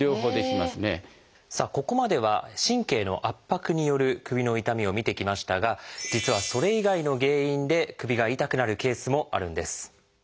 さあここまでは神経の圧迫による首の痛みを見てきましたが実はそれ以外の原因で首が痛くなるケースもあるんです。